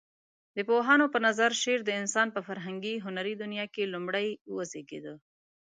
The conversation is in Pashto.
د پوهانو په نظر شعر د انسان په فرهنګي هنري دنيا کې لومړى وزيږيده.